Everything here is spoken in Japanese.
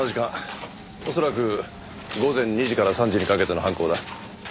恐らく午前２時から３時にかけての犯行だ。